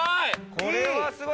これはすごい！